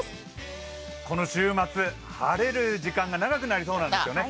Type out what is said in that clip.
この週末、晴れる時間が長くなりそうなんですよね。